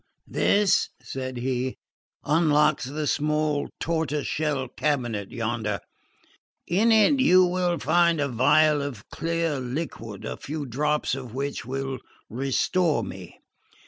"This," said he, "unlocks the small tortoise shell cabinet yonder. In it you will find a phial of clear liquor, a few drops of which will restore me.